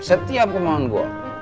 setiap kemauan gue